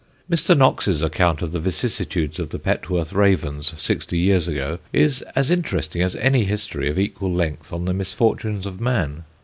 Mr. Knox's account of the vicissitudes of the Petworth ravens sixty years ago is as interesting as any history of equal length on the misfortunes of man.